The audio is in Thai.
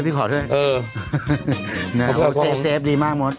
พี่ขอด้วย